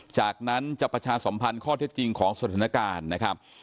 จากนั้นจะประชาสมพันธ์ข้อเท็จจริงของสถานการณ์นะครับ